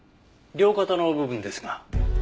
両肩の部分ですが。